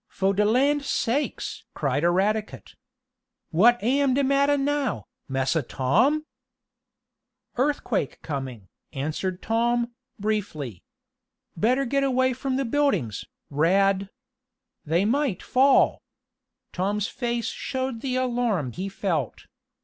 "Fo' de land sakes!" cried Eradicate. "What am de mattah now, Massa Tom?" "Earthquake coming," answered Tom, briefly. "Better get away from the buildings, Rad. They might fall!" Tom's face showed the alarm he felt.